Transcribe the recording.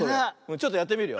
ちょっとやってみるよ。